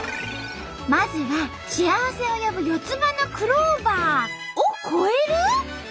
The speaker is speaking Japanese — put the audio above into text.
まずは幸せを呼ぶ四つ葉のクローバーを超える！？